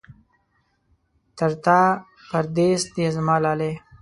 تر تا پردېس دی زما لالی.